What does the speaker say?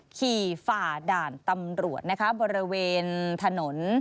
ขี่ฝ่าด่านตำรวจบริเวณถนน